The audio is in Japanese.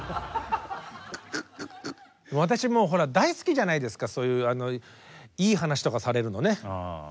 私もうほら大好きじゃないですかそういういい話とかされるのね。